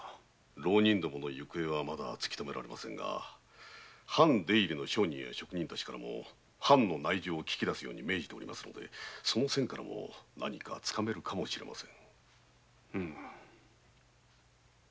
浪人どもの行方はまだわかりませぬが藩出入りの商人からも藩の内情を聞き出すよう命じてあるゆえその線からも何かつかめるかもしれません。